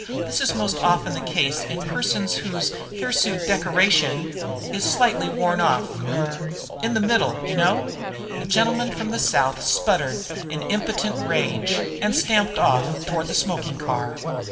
This is most often the case in persons whose hirsute decoration is slightly worn off er, in the middle, you know." The gentleman from the South sputtered in impotent rage and stamped off toward the smoking car.